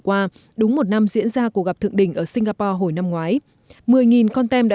qua đúng một năm diễn ra cuộc gặp thượng đỉnh ở singapore hồi năm ngoái mười con tem đã